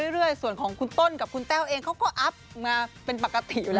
เรื่อยส่วนของคุณต้นกับคุณแต้วเองเขาก็อัพมาเป็นปกติอยู่แล้ว